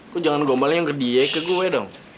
kok jangan gombal yang ke dia ke gue dong